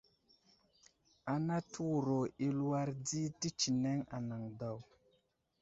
Ana təwuro i aluwar di tətsineŋ anaŋ daw.